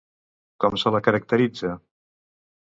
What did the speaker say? Com se la caracteritza?